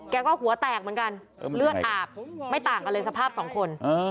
แกก็หัวแตกเหมือนกันเลือดอาบไม่ต่างกันเลยสภาพสองคน